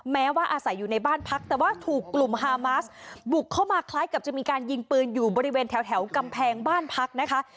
แม้ว่าอาศัยอยู่ในบ้านพักแต่ว่าถูกกลุ่มฮามัสบุกเข้ามาคล้ายกับจะมีการยิงปืนอยู่บริเวณแถวกำแพงบ้านพักนะคะ